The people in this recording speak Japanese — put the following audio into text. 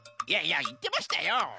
いやいやいってましたよ！